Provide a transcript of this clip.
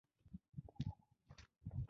خور د ښایست سمبول ده.